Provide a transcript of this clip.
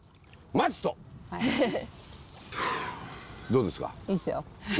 どうですか？